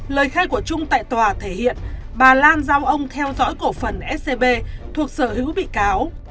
lời khai của trung tại tòa thể hiện bà lan giao ông theo dõi cổ phần scb thuộc sở hữu bị cáo